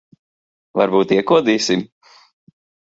Varbūt iekodīsim?